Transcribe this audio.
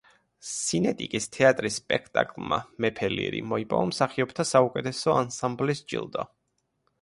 სინეტიკის თეატრის სპექტაკლმა „მეფე ლირი“ მოიპოვა მსახიობთა საუკეთესო ანსამბლის ჯილდო.